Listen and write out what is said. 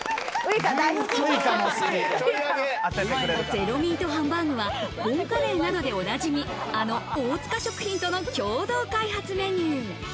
ゼロミートハンバーグはボンカレーなどでおなじみ、あの大塚食品との共同開発メニュー。